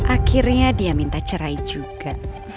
akhirnya dia minta cerai juga